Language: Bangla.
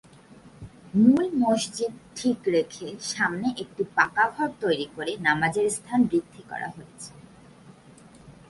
মূল মসজিদ ঠিক রেখে সামনে একটি পাকা ঘর তৈরী করে নামাজের স্থান বৃদ্ধি করা হয়েছে।